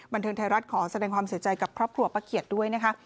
บันเทิงไทยรัฐขอแสดงความเสียใจกับครอบครัวป้าเขียดด้วยนะคะ